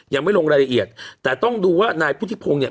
ยังไม่ลงรายละเอียดแต่ต้องดูว่านายพุทธิพงศ์เนี่ย